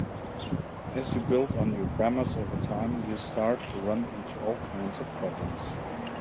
As you build on your grammars over time, you start to run into all kinds of problems.